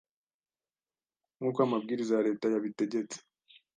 nkuko amabwiriza ya Leta yabitegetse